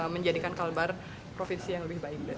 menjadikan kalimantan barat provinsi yang lebih baik